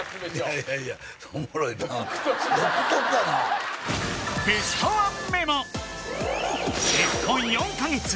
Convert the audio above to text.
いやいや結婚４カ月